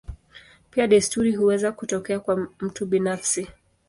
Pia desturi huweza kutokea kwa mtu binafsi.